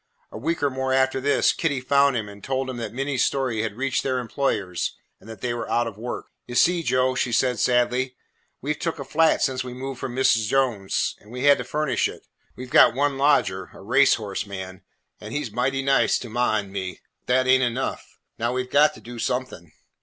A week or more after this, Kitty found him and told him that Minty's story had reached their employers and that they were out of work. "You see, Joe," she said sadly, "we 've took a flat since we moved from Mis' Jones', and we had to furnish it. We 've got one lodger, a race horse man, an' he 's mighty nice to ma an' me, but that ain't enough. Now we 've got to do something."